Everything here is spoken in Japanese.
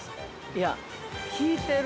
◆いや、聞いてる。